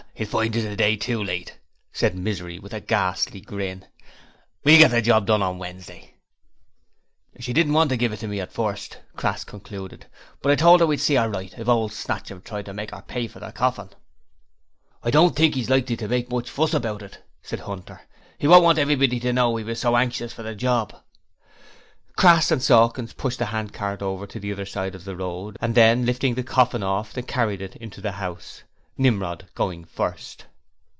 'He'll find he's a day too late,' said Misery, with a ghastly grin. 'We'll get the job done on Wednesday.' 'She didn't want to give it to me, at first,' Crass concluded, 'but I told 'er we'd see 'er right if old Snatchum tried to make 'er pay for the other coffin.' 'I don't think he's likely to make much fuss about it,' said Hunter. 'He won't want everybody to know he was so anxious for the job.' Crass and Sawkins pushed the handcart over to the other side of the road and then, lifting the coffin off, they carried it into the house, Nimrod going first.